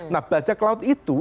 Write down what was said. nah bajak laut itu